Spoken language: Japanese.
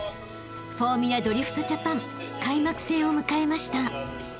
［フォーミュラドリフトジャパン開幕戦を迎えました］